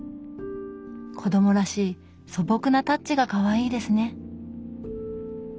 子どもらしい素朴なタッチがかわいいですね。